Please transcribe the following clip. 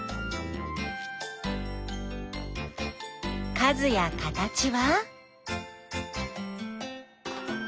数や形は？